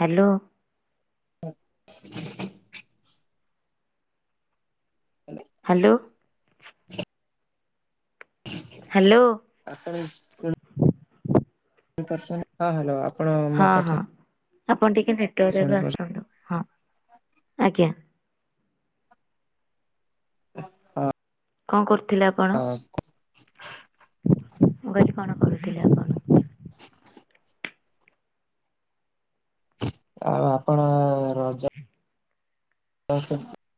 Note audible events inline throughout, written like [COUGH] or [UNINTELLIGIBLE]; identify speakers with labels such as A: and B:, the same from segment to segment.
A: Hello
B: ଆପଣ
A: hello hello
B: ଆପଣ ଶୁ ପ ହଁ ହ୍ୟାଲୋ ଆପଣ ମୋ
A: ହଁ ହଁ।
B: କଥା
A: ଆପଣ ଟିକେ ନେଟୱାର୍କ ଜାଗା
B: ଶୁଣିପାରୁ
A: ଆସନ୍ତୁ ହଁ ଆଜ୍ଞା।
B: ହଁ
A: କଣ କରୁଥିଲେ ଆପଣ? ମୁଁ କଣ କରଥିଲେ ଆପଣ?
B: [UNINTELLIGIBLE] ଆଉ ଆପଣ ରଜ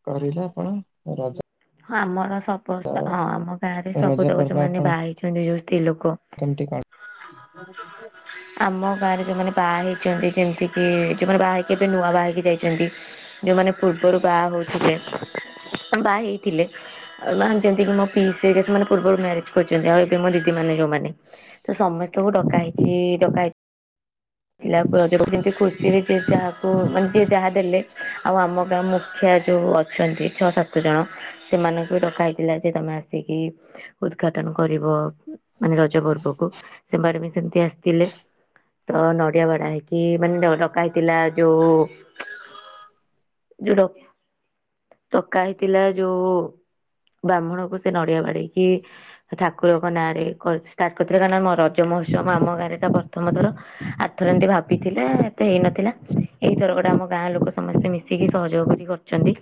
B: କରିଲେ ଆପଣ ରଜ?
A: ହଁ ଆମର ସମସ୍ତେ ହଁ ଆମ ଗାଁ ରେ
B: ରଜ
A: ସବୁ ତ ଯୋଉ
B: ପର୍ବ
A: ଯୋଉମାନେ
B: ଆପଣ
A: ବାହା ହେଇଛନ୍ତି ଯଉ ସ୍ତ୍ରୀଲୋକ,
B: କେମିତି କଣ
A: ଆମ ବାହାରେ ଯୋଉମାନେ ବାହା ହେଇଛନ୍ତି ଯେମିତି କି ଯୋଉମାନେ ବାହା ହେଇକି ଏବେ ନୂଆ ବାହା ହେଇକି ଯାଇଛନ୍ତି। ଯୋଉମାନେ ପୂର୍ବରୁ ବାହା ହୋଉଥିଲେ ବାହା ହେଇଥିଲେ ଆ ମାନେ ଯେମତିକି ମୋ ପି ସେଇଟା ଯୋଉମାନେ ପୂର୍ବରୁ ମ୍ୟାରେଜ କରିଛନ୍ତି ଆଉ ଏବେ ମୋ ଦିଦି ମାନ ଯୋଉମାନେ। ତ ସମସ୍ତଙ୍କୁ ଡକା ହେଇଛି। ଡକା ହେଇଛି ପିଲାମତି ଖୁସିରେ ଯ ଯାହାକୁ ମାନେ ଯିଏ ଯାହା ଦେଲେ। ଆଉ ଆମ ଗାଁ ମୁ ଖିଆ ଯୋଉ ଅଛନ୍ତି ଛଅ ସାତ ଜଣ ସେମାନଙ୍କୁ ଡକା ହେଇଥିଲା ଯେ ତମେ ଆସିକି ଉଦଘାଟନ କରିବ। ମାନେ ରଜ ପର୍ବକୁ ସେମାନେ ବି ସେମିତି ଆସିଥିଲେ। ତ ନଡିଆ ବାଡ଼ା ହେଇକି ମାନେ ଡକା ହେଇଥିଲା ଯୋଉ ଯୋଉ ଡକା ଡକା ହେଇଥିଲା ଯୋଉ ବ୍ରାହ୍ମଣକୁ ସେ ନଡିଆ ବାଡେଇକି ଠାକୁରଙ୍କ ନାଁରେ କରି ଷ୍ଟାର୍ଟ କରିଥିଲେ ନା ରଜ ମୋ ମହୋତ୍ସବ ଆମ ଗାଁରେ ତ ପ୍ରଥମ ଥର ଆରଥର ଏମିତି ଭାବିଥିଲେ ଏତେ ହେଇନଥିଲା ଏଇଥର କ ଟା ଆମ ଗାଁ ଲୋକ ସମସ୍ତେ ମିଶିକି ସହଯୋଗ କରି କରିୁଚ଼ନ୍ତି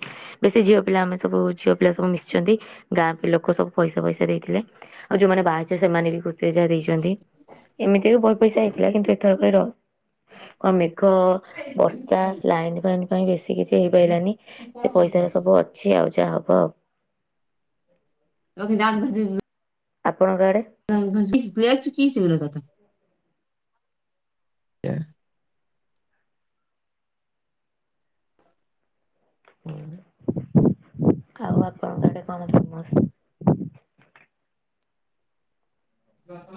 A: ବେଶୀ ଝିଅ ପିଲା ମାନେ ସବୁ ଝିଅ ପିଲା ସବୁ ମିଶିଛନ୍ତି ଗାଁ ପି ଲୋକ ସବୁ ପଇସା ଫଇସା ଦେଇଥିଲେ ଆଉ ଯୋଉମାନେ ବାହାହେଇଛନ୍ତି ସେମାନେ ବି ଯାହା ଦେଇଛନ୍ତି ଏମିତି ବି ବହୁତ ପଇସା ହେଇଥିଲା କିନ୍ତୁ ଏଥରେ କଣ ମେଘ ବର୍ସ୍ତା ଲାଇନ ଫାଇନ ପାଇଁ ବେଶୀ ସେ କିଛି ହେଇପାରିଲାନି ସେ ପଇସାର ସବୁ ଅଛି ଆଉ ଯାହା ହବ ଆଉ।
B: ଲକି ନାସ ଭ [UNINTELLIGIBLE]
A: ଆପଣଙ୍କ ଆଡେ
B: କିଛି ଗ କଥା [UNINTELLIGIBLE] କ [UNINTELLIGIBLE]
A: ହୁଁ
B: [INAUDIBLE]
A: ଆଉ ଆପଣଙ୍କ ଆଡେ କଣ ସମସ୍ତ
B: ବାପ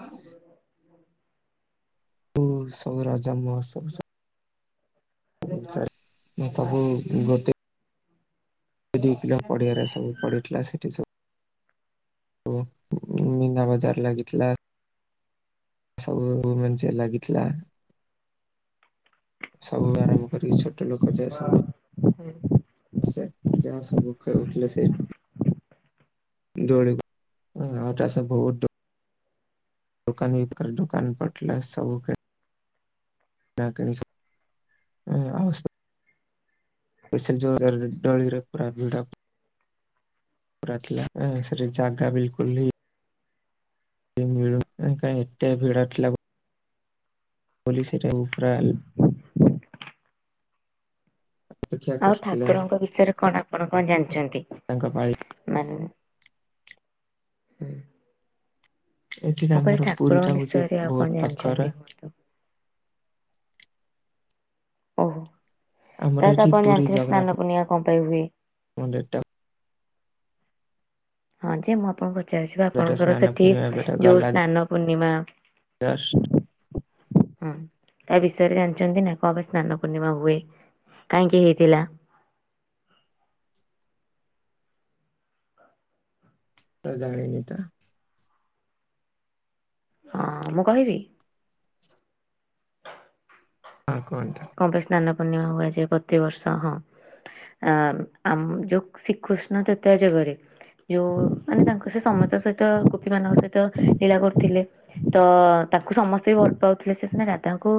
B: ସବୁ ରାଜା ମ ସବୁ ମୁଁ ସବୁ ଗୋତେ ସେ ଦ ପିଲ ପଡିଆରେ ସବୁ ପଡ଼ିଥିଲା ସେଠି ସବୁ ଓ ମିନା ବାଜାର ଲାଗିତଲା ସବୁ ମ ଲାଗିଥିଲା ସବୁବେ ଆରମ୍ଭ କରିକି ଛୋଟ ଲୋକ ଯାଏ ସମୟ
A: ହୁଁ।
B: ହ ଉଠିଲ ହସ ପୁକ୍ଷ ଉଠିଲ ସେ ଦଡୌଳି ଆଉଟସ ବହୁତ ଦୁକାନ ବିକ୍ର ଦୁକାନ ପଟିଲ ସବୁ ଖେଳ [UNINTELLIGIBLE] ବସ ଜୋରେ ନଳରପ ମିଡ଼ [UNINTELLIGIBLE] ର ସେ ଜାଗ୍ ବିଲକୁଲ ହ ସେ ମିଳୁ କ ଏଟା ଭିଡ଼ଟ ଲଗ ପୋଲିସ ଏ ଉଫ୍ରଲ
A: ଆଉ ଠାକୁରଙ୍କ ବିଷୟରେ କଣ ଆପଣ କଣ ଜାଣିଛନ୍ତି
B: ତାଙ୍କ ପାଳି
A: ମାନେ ହୁଁ।
B: ଏଥିରେ
A: ମୁଁ କହିଲି
B: ଆମର ପୁରୀ
A: ଠାକୁରଙ୍କ
B: ଟା ହଉଛି
A: ବିଷୟରେ ଆଉ କଣ
B: ବହୁତ
A: ଜାଣିଛନ୍ତି
B: ପାଖରା
A: କୁହନ୍ତୁ? ଓହୋ
B: ଆମର
A: ତା ତ
B: ଏଠି
A: ଆପଣ
B: ପୁରୀ
A: ଜାଣିଥିବେ
B: ଜଗନ୍ନାଥ
A: ସ୍ନାନ ପୂର୍ଣିଆ କଣ ପାଇଁ ହୁଏ।
B: ମନ୍ଦିରଟା
A: ହଁ ଯେ ମୁଁ ଆପଣଙ୍କୁ
B: ଏବେ
A: ଆପଣଙ୍କର
B: ସ୍ନାନ
A: ସେଠି
B: ପୂର୍ଣ୍ଣିମା ଏବେ
A: ଯୋଉ
B: ଗଲା
A: ସ୍ନାନ ପୂର୍ଣ୍ଣିମା
B: ଜଷ୍ଟ
A: ହଁ ତା ବି ବିରେ ଜାଣିଛନ୍ତି ନା କ ପାଇଁ ସ୍ନାନ ପୂର୍ଣ୍ଣିମା ହୁଏ କାହିଁକି ହେଇଥିଲା?
B: [INAUDIBLE] ତ ଜାଣିନି ତ
A: ହଁ ମୁଁ କହିବି?
B: ହଁ କୁହନ୍ତୁ
A: କଣ ପାଇଁ ସ୍ନାନ ପୂର୍ଣ୍ଣିମା ହୁଏଯାଏ ପ୍ରତିବର୍ଷ ହଁ ଆ ଆମ ଯୋଉ ଶ୍ରୀକୃଷ୍ଣ ତତ୍ୟା ଜୋଗରେ ଯୋଉ ମାନେ ତାଙ୍କ ସେ ସମସ୍ତଙ୍କ ସହିତ ଗୋପୀ ମାନଙ୍କ ସହିତ ଲୀଳା କରୁଥିଲେ ତ ତାକୁ ସମସ୍ତେ ବି ଭଲ ପାଉଥିଲେ ସେ ରାଧାଙ୍କୁ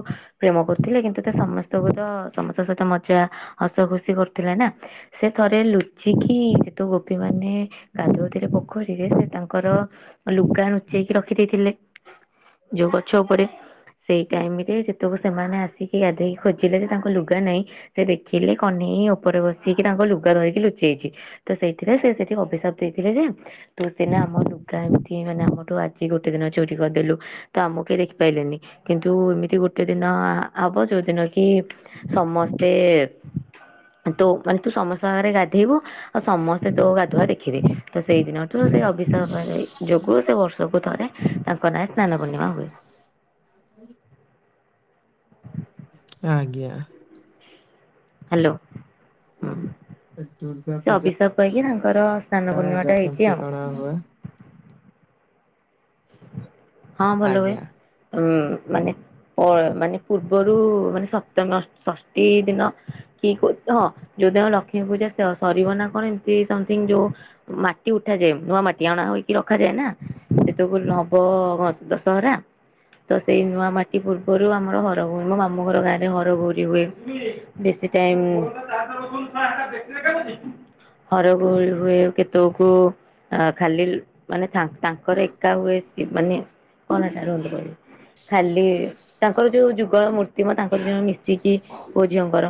A: ପ୍ରେମ କରୁଥିଲେ କିନ୍ତୁ ସମସ୍ତଙ୍କୁ ତ ସମସ୍ତଙ୍କ ସହିତ ମଜା ହସ ଖୁସି କରୁଥିଲେ ନା ସେ ଥରେ ଲୁଚିକି କି ସେ ତୁ ଗୋପୀ ମାନେ କାଦୁଅତିରେ ପୋଖରୀରେ ସେ ତାଙ୍କର ଲୁଗା ନୁଚେଇକି ରଖ ରଖି ଦେଇଥିଲେ ଯୋଉ ଗଛ ଉପରେ ସେଇ ଟାଇମ ରେ ଯେତ ସେମାନେ ଆସି ସେ ଗାଧୋଇକି ଖୋଜିଲେ ଯେ ତାଙ୍କ ଲୁଗା ନାଇଁ ସେ ଦେଖିଲେ କହ୍ନେଇ ଉପରେ ବସିକି ତାଙ୍କ ଲୁଗା ଧରିକି ଲୁଚେଇ ତ ସେଇଥିରେ ସେ ସେଠି ଅଭିଶାପ ଦେଇଥିଲେ ଯେ ତ ସିନା ଆମ ଲୁଗା ଏମିତି ମାନେ ଆମଠୁ ଆ ଗୋଟେ ଦିନ ଚୋରି କରିଦେଲୁ ତ ଆମକୁ କେହି ଦେଖିପାରିଲନି କିନ୍ତୁ ଏମିତି ଗୋଟେ ଦିନ ହବ ଯୋଉ ଦିନ କି ସମସ୍ତେ ତୁ ମାନେ ତୁ ସମସ୍ତ ଆଖରେ ଗାଧେଇବୁ ଆଉ ସମସ୍ତେ ତୋ ଗାଧୁଆ ଦେଖିବେ ତ ସେଇଦିନ ସେ ଅଭିଷ ଯୋଗୁ ସେ ବର୍ଷକୁ ଥରେ ତାଙ୍କ ନାଁ ସ୍ନାନ ପୂର୍ଣ୍ଣିମା ହୁଏ।
B: [UNINTELLIGIBLE] ଆଜ୍ଞା।
A: ହ୍ୟାଲୋ
B: ଦୁର୍ଗା
A: ସେ
B: ପୂଜା
A: ଅଭିଷାପ ପାଇକି ତାଙ୍କର ସ୍ନାନ ପୁର୍ଣିମା ଟା ହେଇଚି
B: କେମିତି
A: ଆଉ।
B: କଣ ହୁଏ
A: ହଁ ଭଲ ହୁଏ।
B: ଆଜ୍ଞା
A: ଉ ମାନେ ଓ ମାନେ ପୂର୍ବରୁ ମାନେ ସପ୍ତମ ଷଷ୍ଠୀ ଦିନ କି ହଁ। ଯଦି ଆମ ଲକ୍ଷ୍ମୀ ପୂଜା ସରିବ ନା କଣ ଏମିତି ସମଥିଙ୍ଗ ଯୋଉ ମାଟି ଉଠାଯାଏ। ନୂଆ ମାଟି ଆଣା ହୁଏ। ରଖାଯାଏ ନା ସେସବୁ ନବ ଦଶହରା। ତ ସେଇ ନୂଆ ମାଟି ପୂର୍ବରୁ ଆମର ହର ଗୌରୀ ମୋ ମାମୁଘର ଗାଁରେ ହର ଗୌରୀ ରି ହୁଏ। ସେ ଟାଇମ୍ ହରଗୋରି ହୁଏ। କେତକୁ ଖାଲି ମାନେ ତାଙ୍କ ତାଙ୍କର ଏକା ହୁଏ। ସେ ମାନେ କଣ ଏଟା ରୋଲ [UNINTELLIGIBLE] ଖାଲି ତାଙ୍କର ଯୋଉ ଯୁଗଳ ମୂର୍ତ୍ତି ମ ତାଙ୍କର ମି ଶିକି ପୁଅ ଝିଅଙ୍କର।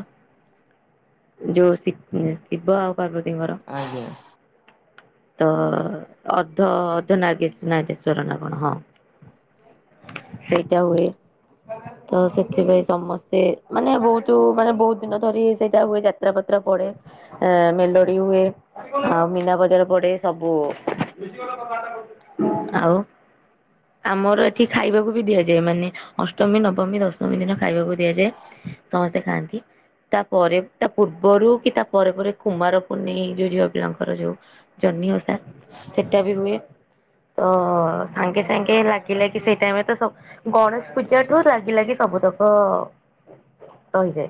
A: ଯୋଉ ଶି ଶିବ ଆଉ ପାର୍ବତିଙ୍କର।
B: ଆଜ୍ଞା।
A: ତ ଅର୍ଦ୍ଧ ଅର୍ଦ୍ଧ ନାଗେଶ ନାଗେଶ୍ଵର ନା କଣ ହଁ। ସେଇଟା ହୁଏ। ତ ସେଥିପାଇଁ ସମସ୍ତେ ମାନେ ବହୁତୁ ମାନେ ବହୁତୁ ଦିନ ଧରି ସେଇଟା ହୁଏ ଯାତ୍ରା ପତ୍ର ପଡେ। ଆ ମେଲୋଡି ହୁଏ ଆଉ ମୀନା ବଜାର ପଡେ। ସବୁ ଆଉ। ଆମର ଏଠି ଖାଇବାକୁ ବି ଦିଆଯାଏ। ମାନେ ଅଷ୍ଟମୀ ନବମୀ ଦଶମୀ। ଶମି ଦିନ ଖାଇବାକୁ ଦିଆଯାଏ। ସମସ୍ତେ ଖାଆନ୍ତି। ତା ପରେ ତା ପୂର୍ବରୁ କି ତା ପରେ ପରେ କୁମାର ପୁର୍ନେଇ ଯୋଉ ଝିଅ ପିଲାଙ୍କର ଯୋଉ ଜହ୍ନି [UNINTELLIGIBLE] ସେଟା ବି ହୁଏ। ତ ସାଙ୍ଗେ ଯାଇକେ ଲାଗି ଲାଗି ସେଇ ଟାଇମ ତ ସବୁ ଗଣେଶ ପୂଜାଠୁ ଲାଗ ଲାଗି ସବୁତକ ରହିଯାଏ।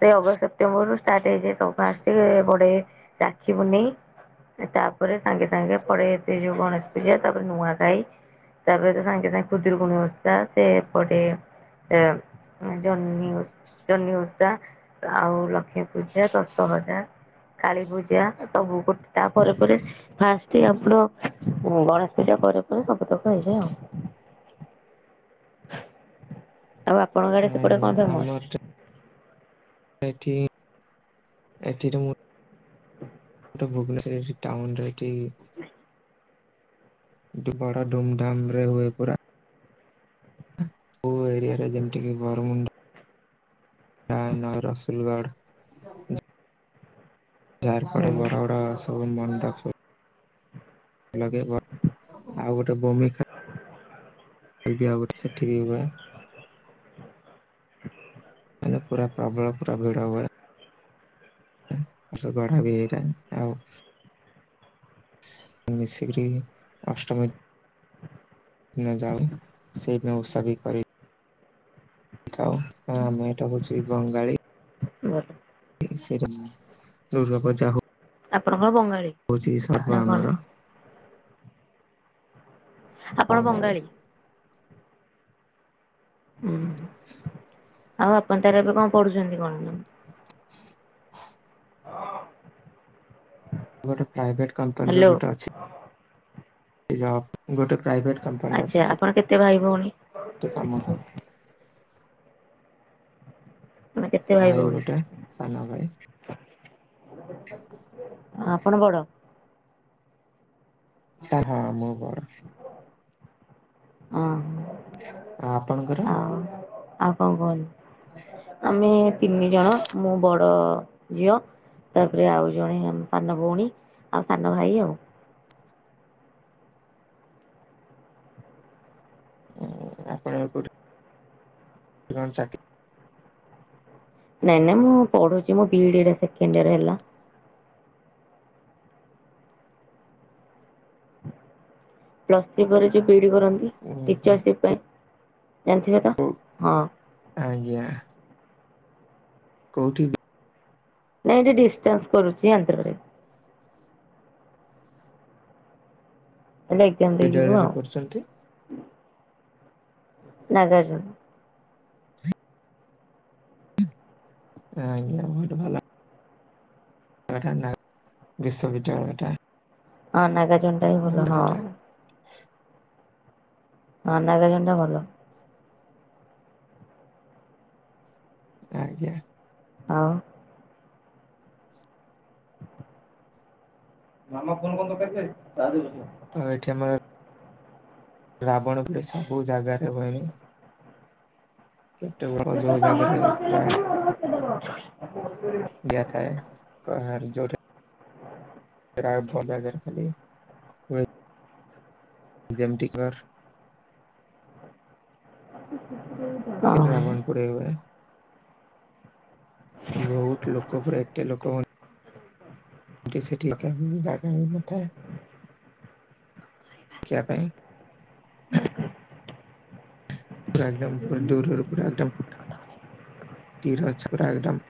A: ସେ ଅଗଷ୍ଟ ସେପ୍ଟେମ୍ବର ରୁ ଷ୍ଟାର୍ଟ ହେଇଯାଏ। ସବୁ ଫାଷ୍ଟେ ପଡେ ରାଖି ପୁନେଇ। ତାପରେ ସାଙ୍ଗେ ସାଙ୍ଗେ ପଳେଇ ଆସେ ଯୋଉ ଗଣେଶ ପୂଜା ତାପରେ ନୂଆଖାଇ। ତାପରେ ତ ସାଙ୍ଗେ ସାଙ୍ଗେ ଖୁଦୁରକୁୁଣି ଓସା ସେପଟେ ଏ ଜହ୍ନି ଓ ଜହ୍ନି ଉଷା ଆଉ ଲକ୍ଷ୍ମୀପୂଜା ଦଶହରା। କାଳୀ ପୂଜା ସବୁ ଗୋ ତାପରେ ପରେ ଫାଷ୍ଟେ ଆପଣ ହଁ ଗଣେଶ ପୂଜା ପରେ ପରେ ସବୁ ତକ ହେଇଯାଏ ଆଉ।
B: [INAUDIBLE]
A: ଆଉ ଆପଣଙ୍କ ଆଡେ ସେପଟେ କଣ
B: ଆଜ୍ଞା
A: ଫେମସ?
B: ଆମ ଏଠି ଏଠି ରେ ମୁଁ ଟ ଭୁବନେଶ୍ୱର ଟାଉନ ରେ ଏଠି କିନ୍ତୁ ବଡ ଧୁମଧାମ ରେ ହୁଏ ପରା। କୋଉ ଏରିଆରେ ଯେମିତି କି ବରମୁଣ୍ଡା ତା ନଁ ରସୁଲଗଡ୍।
A: ହୁଁ।
B: ଝାରପଡା ବଡବଡ ସବୁ ମଣ୍ଡପ ଲଗେଇବ ଆଉ ଗୋଟେ ବୂମି
A: [INAUDIBLE]
B: [UNINTELLIGIBLE] ବି ଆଉଗୋଟେ ସେଠି ବି ହୁଏ। [UNINTELLIGIBLE] ପୁରା ପ୍ରବଳ ପୁରା ଭିଡ ହୁଏ। ଗଡା ବି ହେଇଥାଏ। ଆଉ ମିଶିକିରି ଅଷ୍ଟମୀ ନା ଯାଉ ସେଇପ ଓଷା ବି କରି ଥାଉ ଆମେ ଏଇଟା କହୁଉଛି ବଙ୍ଗାଳୀ।
A: [INAUDIBLE]
B: ସେଇଟା ଦୁର୍ଗପଜା ହୋ
A: ହଁ ବଙ୍ଗାଳୀ ନା
B: ଆମର
A: କଣ। ଆପଣ ବଙ୍ଗାଳୀ। ଉଁ। ଆଉ ଆପଣ ତାର ଏବେ କଁ ପଢୁଚନ୍ତି କଣ ମ୍ୟାମ୍?
B: ଗୋଟେ ପ୍ରାଇଭେଟ୍ କମ୍ପାନୀର
A: ହ୍ୟାଲୋ
B: ଗୋଟେ ଅଛି। ଏଇ ଜବ୍। ଗୋଟେ ପ୍ରାଇଭେଟ୍ କମ୍ପାନୀରେ
A: ଆଚ୍ଛା
B: ଅଛି ସେ
A: ଆପଣ କେତେ ଭାଇ ଭଉଣୀ
B: ଟି କାମ
A: ତମେ କେତେ
B: ଭାଇ
A: ଭଉଣୀ?
B: ଗୋଟେ ସାନ ଭାଇ।
A: ଆ ଆପଣ ବଡ଼।
B: ସା ହଁ ମୁଁ ବ
A: ଅହଁ।
B: ଆ ଆପଣଙ୍କର?
A: ଆଉ କଣ କୁହନି ଆମେ ତିନି ଜଣ ମୁଁ ବଡ଼ ଝିଅ। ତାପରେ ଆଉ ଜଣେ ସାନ ଭୋଉଣୀ ଆଉ ସାନ ଭାଇ ଆଉ।
B: ଉଁ ଆପଣ ଏବେ କୋଉଠି ଜନ୍ ଚାକି
A: ନାଇଁ ନାଇଁ ମୁଁ ପଢ଼ୁଚି ମୋ ବି ଡି଼ ଏଟା ସେକେଣ୍ଡ୍ ଇଅର୍ ହେଲା। ପ୍ଲସ୍ ଥ୍ରି ପରେ ଯୋଉ ବି ଡ଼ି କରନ୍ତି
B: ଉଁ ହୁଁ
A: ଟିଚରସିପ୍ ପାଇଁ ଜାଣିଥିବେ ତ
B: କୋ
A: ହଁ।
B: ଆଜ୍ଞା। କୋଉଠି
A: ନାଇଁ ଏଠି ଡିସାନ୍ସ୍ କରୁଚି ଆନ୍ଧ୍ରରେ। ଖାଲି ଏଗ୍ଜାମ୍ ଦେଇ ଯିବୁ
B: ବିଦ୍ୟାଳୟରେ
A: ଆଉ।
B: କରୁଛନ୍ତି
A: ନାଗାର୍ଜୁନ୍।
B: ଏଁ ଆଜ୍ଞା ମୁଁ ହେଟି ଭଲ ଆଉ ଏଟା ନା ବିଶ୍ୱବିଦ୍ୟାଳୟଟା।
A: ହଁ ନାଗାର୍ଜୁନଟା ବି ଭଲ ହଁ। ହଁ ନାଗାର୍ଜୁନଟା ଭଲ।
B: ଆଜ୍ଞା।
A: ଆଉ ମାମା ଫୋନ୍ କଣ ଦକାରଥିଲା କି
B: ଆ ଏଠି ଆମର ରାବଣ ପୋଡ଼ି ସବୁ ଜାଗାରେ ହୁଏନି। କେତେ ଗୁଡାକ
A: ଯେତ
B: ଯୋଉ
A: ତମର
B: ଜାଗାରେ
A: ବସେଇଲା
B: ପୁରା
A: ପରେ ମୋର ବସେଇଦବ।
B: ଗା ଥାଏ କହାର ଯୋଉଟା ରାବ ଜାଗାରେ ଖାଲ ହୁଏ। ଯେମ ଟିିକର୍ ସେ
A: ଓହ
B: ରାବଣ ପୋଡ଼ି ହୁଏ। ବୋହୁତ ଲୋକ ପୁରା ଏତେ ଲୋକ ହୁଅ ଗି ସେଠି ଅଖିଆ ପାଇଁ ଜାଗା ବି ନଥାଏ। ଖିଆ ପାଇଁ ପୁରା ଏକଦମ୍ ପୁରା ଦୂରରୁ ପୁରା ଏକଦମ୍ ତିର ଅଛ ପୁରା ଏକଦମ୍।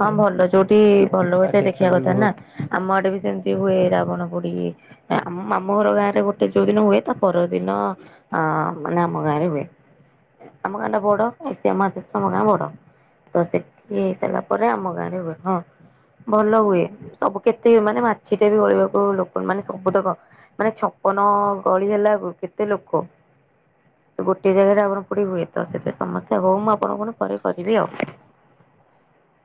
A: ହଁ ଭଲ
B: ଆଉ
A: ଯୋଉଠି ଭଲ ହୁଏ ସେ ଦେଖିବା
B: ଦେଖିବାକୁ ବି
A: କଥା
B: ବହୁତ
A: ନାଁ ଆମ ଆଡ଼େ ବି ସେମତି ହୁଏ ରାବଣ ପୋଡ଼ି ଏ ଆମ ମାମୁଁ ଘର ଗାଁରେ ଗୋଟେ ଯୋଉ ଦିନ ହୁଏ ତା ପରଦିନ ଅ ମାନେ ଆମ ଗାଁ ଆଇଁରେ ହୁଏ। ଆମ ଗାଁଟା ବଡ଼ ହେ ସେ ଆମ ସେସମ ଗାଁ ବଡ଼ ତ ସେଠି ତେଲ ପରେ ଆମ ଗାଁରେ ହୁଏ ‌ହଁ। ଭଲ ହୁଏ ସବୁ କେତେ ମାନେ ମାଛିଟେ ବି ଗଳିବାକୁ ଲୋକ ମାନେ ସବୁ ତକ ମାନେ ଛପନ ଗଳି ହେଲା କେତେ ଲୋକ। ତ ଗୋଟିଏ ଜାଗାରେ ରାବଣ ପୋଡ଼ି ହୁଏ ତ ସେତେ ସମସ୍ତେ ହଉ ମୁଁ ଆପଣଙ୍କୁ କୋଉନ ପରେ କରିବି ଆଉ।
B: [INAUDIBLE]